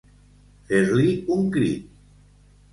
Fer-li un crit.